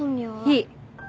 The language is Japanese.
いい。